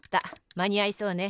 まにあいそうね。